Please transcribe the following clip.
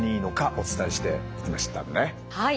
はい。